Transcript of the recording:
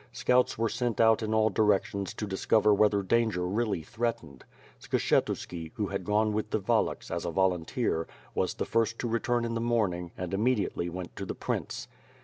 Scouts were sent out in all directions to discover whether danger really threatened. Skshetuski, who had gone with the Wallachs, as a volunteer, was the first to re turn in the morning, and immediately went to the prince.